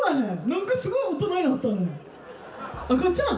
何かすごい大人になったね赤ちゃん？